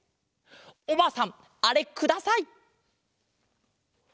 おばあさんあれください！